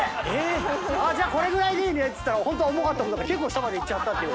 じゃあこれぐらいでいいねっつったら重かったもんだから結構下まで行っちゃった。